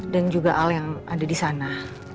juga al yang ada di sana